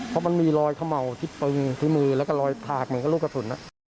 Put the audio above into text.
เพราะมันมีรอยเขม่าที่ปึงที่มือแล้วก็รอยถากเหมือนกับลูกกระสุน